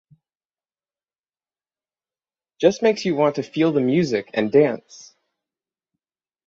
Just makes you want to feel the music and dance.